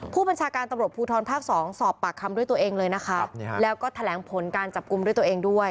ผู้บัญชาการตำรวจภูทรภาคสองสอบปากคำด้วยตัวเองเลยนะคะแล้วก็แถลงผลการจับกลุ่มด้วยตัวเองด้วย